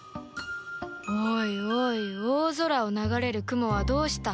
おいおい大空を流れる雲はどうした？